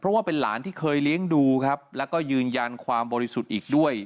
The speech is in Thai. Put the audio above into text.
เพราะว่าเป็นหลานที่เคยเลี้ยงดูครับแล้วก็ยืนยันความบริสุทธิ์อีกด้วย